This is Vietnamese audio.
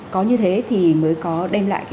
có như thế thì mới có đem lại